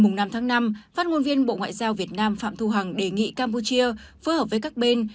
ngày năm tháng năm phát ngôn viên bộ ngoại giao việt nam phạm thu hằng đề nghị campuchia phối hợp với các bên